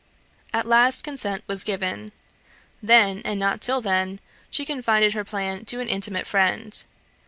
At last consent was given. Then, and not till then, she confided her plan to an intimate friend.